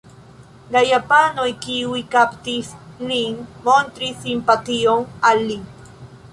La japanoj kiuj kaptis lin montris simpation al li.